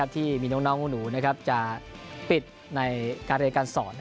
ที่มีน้องหนูจะปิดในการเรียนการสอน